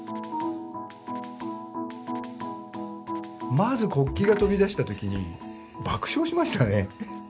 まず国旗が飛び出した時に爆笑しましたね。